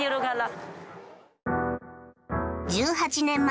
１８年